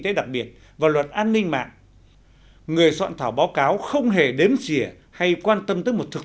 tế đặc biệt và luật an ninh mạng người soạn thảo báo cáo không hề đếm xỉa hay quan tâm tới một thực